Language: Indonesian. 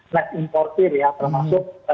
naik importer ya termasuk